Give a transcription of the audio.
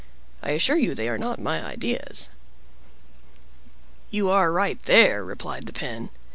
I assure you they are not my ideas." "You are right there," replied the Pen.